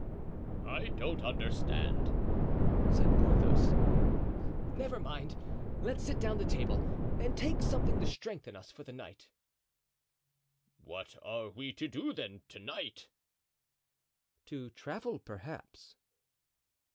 "I don't understand," said Porthos. "Never mind; let's sit down to table and take something to strengthen us for the night." "What are we to do, then, to night?" "To travel—perhaps."